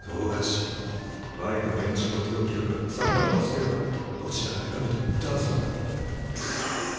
バイクの連中と手を切るかサッカーを捨てるかどちらか選べと言ったはずだ。